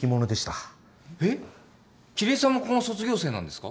えっ桐江さんもここの卒業生なんですか？